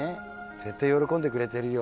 絶対喜んでくれてるよ。